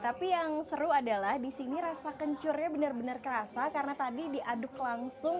tapi yang seru adalah di sini rasa kencurnya benar benar kerasa karena tadi diaduk langsung